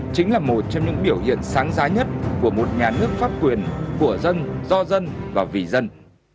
chính là một trong những biểu hiện sáng giá nhất của một nhà nước pháp quyền của dân do dân và vì dân